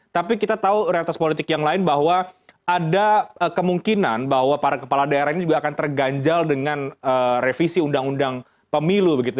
tapi kita tahu realitas politik yang lain bahwa ada kemungkinan bahwa para kepala daerah ini juga akan terganjal dengan revisi undang undang pemilu begitu